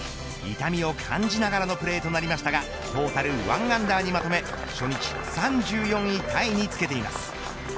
痛みを感じながらのプレーとなりましたがトータル１アンダーにまとめ初日３４位タイにつけています。